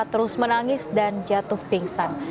terus menangis dan jatuh pingsan